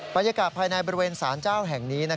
บรรยากาศภายในบริเวณสารเจ้าแห่งนี้